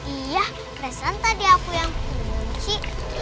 iya presen tadi aku yang kunci